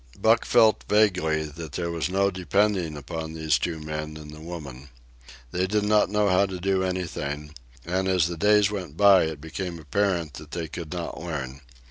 Buck felt vaguely that there was no depending upon these two men and the woman. They did not know how to do anything, and as the days went by it became apparent that they could not learn.